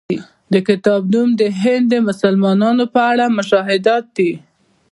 د کتاب نوم د هند د مسلمانانو په اړه مشاهدات دی.